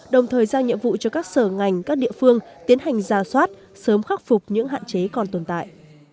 đồng thời giao nhiệm vụ cho các sở ngành các địa phương tiến hành ra soát sớm khắc phục những hạn chế còn tồn tại